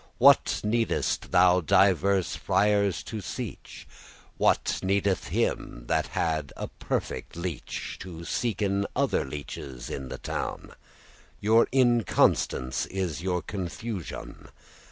What needest thou diverse friars to seech?* *seek What needeth him that hath a perfect leech,* *healer To seeken other leeches in the town? Your inconstance is your confusioun.